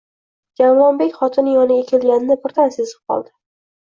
Javlonbek xotini yoniga kelganini birdan sezib qoldi.